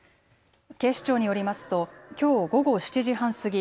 警視庁によりますときょう午後７時半過ぎ